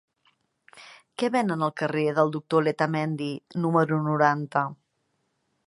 Què venen al carrer del Doctor Letamendi número noranta?